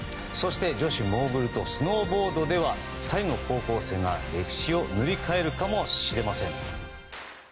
そして女子モーグルとスノーボードでは２人の高校生が歴史を塗り替えるかもしれません。